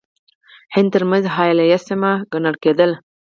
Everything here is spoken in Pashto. هند ترمنځ حایله سیمه ګڼله کېدله.